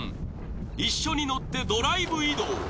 一緒に乗ってドライブ移動。